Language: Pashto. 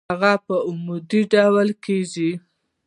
هغه په عمودي ډول کیږدئ.